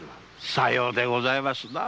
さようでございますな。